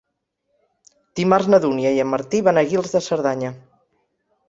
Dimarts na Dúnia i en Martí van a Guils de Cerdanya.